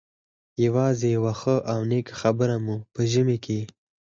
یوازې یوه ښه او نېکه خبره مو په ژمي کې.